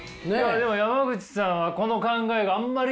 山口さんはこの考えがあんまり。